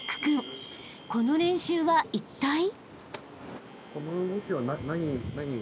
［この練習はいったい？］